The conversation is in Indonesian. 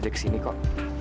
kerabe di depan